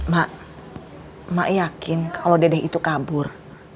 mak mak yakin kalau dedek itu kabur